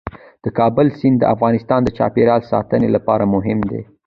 د کابل سیند د افغانستان د چاپیریال ساتنې لپاره مهم دي.